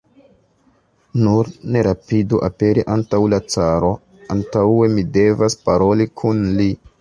Nur ne rapidu aperi antaŭ la caro, antaŭe mi devas paroli kun li.